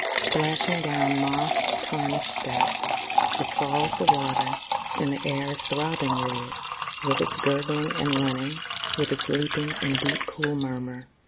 Splashing down moss tarnished steps It falls, the water; And the air is throbbing with it. With its gurgling and running. With its leaping, and deep, cool murmur.